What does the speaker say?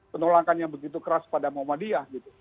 penolakan yang begitu keras pada muhammadiyah